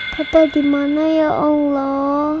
bapak dimana ya allah